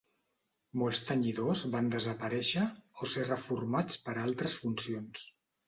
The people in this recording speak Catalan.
Molts tenyidors van desaparèixer, o ser reformats per a altres funcions.